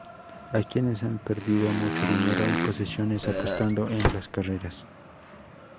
Hay quienes han perdido mucho dinero y posesiones apostando en las carreras.